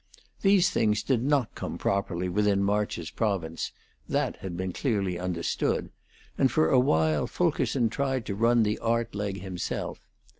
These things did not come properly within March's province that had been clearly understood and for a while Fulkerson tried to run the art leg himself.